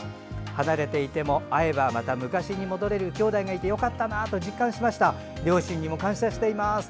離れていても会えば、また昔に戻れるきょうだいがいてよかったなと両親にも感謝しています。